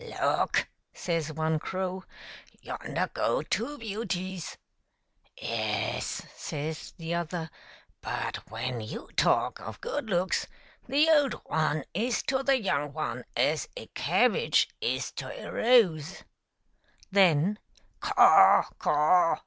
" Look," says one crow, " yonder go two beauties.'* 152 THE STEP MOTHER, " Yes," says the other, " but when you talk of good looks, the old one is to the young one as a cabbage is to a rose." Then, " Caw